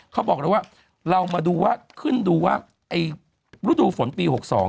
เขาบอกเลยว่าเรามาดูว่าขึ้นดูว่าฤดูฝนปี๖๒